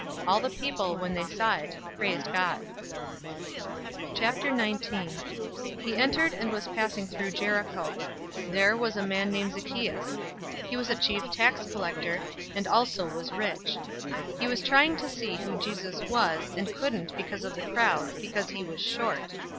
All the people, when they saw it, praised God. 019:001 He entered and was passing through Jericho. 019:002 There was a man named Zacchaeus. He was a chief tax collector, and he was rich. 019:003 He was trying to see who Jesus was, and couldn't because of the crowd, because he was short.